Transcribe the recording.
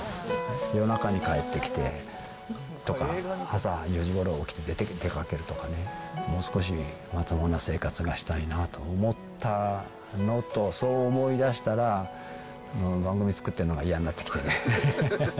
夜中に帰って来てとか、朝４時ごろ起きて出かけるとかね、もう少しまともな生活がしたいなと思ったのと、そう思いだしたら、番組作ってるのが嫌になってきてね。